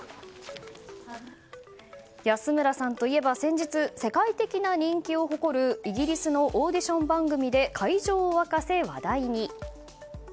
安村さんといえば先日、世界的な人気を誇るイギリスのオーディション番組で会場を沸かせ話題に。